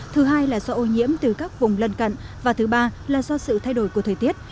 thứ hai là do ô nhiễm từ các vùng lân cận và thứ ba là do sự thay đổi của thời tiết